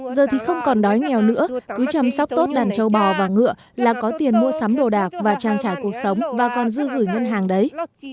giờ thì không còn đói nghèo nữa cứ chăm sóc tốt đàn châu bò và ngựa là có tiền mua sắm đồ đạc và trang trải cuộc sống và còn dư gửi ngân hàng đấy